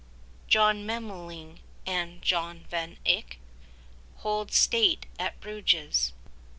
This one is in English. John Memmeling and John Van Eyck 25 Hold state at Bruges.